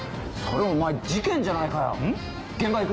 それお前事件じゃないかようん？